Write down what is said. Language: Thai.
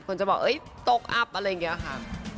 จะบอกตกอับอะไรอย่างนี้ค่ะ